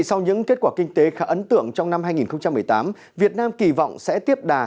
sau những kết quả kinh tế khá ấn tượng trong năm hai nghìn một mươi tám việt nam kỳ vọng sẽ tiếp đà